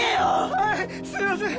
はいすいません